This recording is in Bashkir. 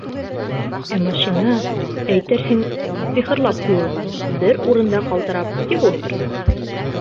Ә машина, әйтерһең, сихырлап ҡуйылған, бер урында ҡалтырап тик ултыра.